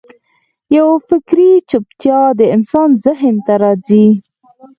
یوه فکري چوپتیا د انسان ذهن ته راځي.